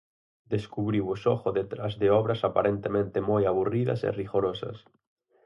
Descubriu o xogo detrás de obras aparentemente moi aburridas e rigorosas.